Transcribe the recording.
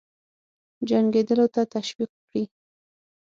جنګېدلو ته تشویق کړي.